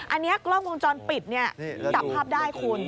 อันนี้กล้องกลงจรปิดกลับภาพได้คุณ